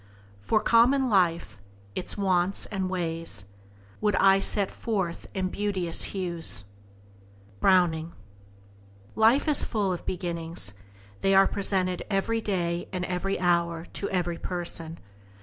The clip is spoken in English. For common life, its wants And ways, would I set forth in beauteous hues." —Browning. IFE is full of beginnings. They are presented every day and every hour to every person.